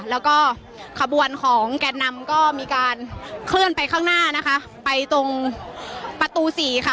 แล้วก็ขบวนของแก่นำก็มีการเคลื่อนไปข้างหน้านะคะไปตรงประตูสี่ค่ะ